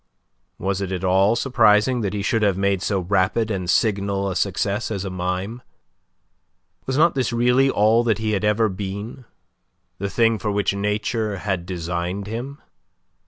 Was it at all surprising that he should have made so rapid and signal a success as a mime? Was not this really all that he had ever been, the thing for which Nature had designed him?